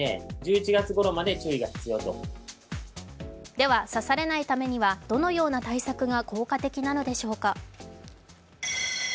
では刺されないためにはどのような対策が効果的なのでしょうか。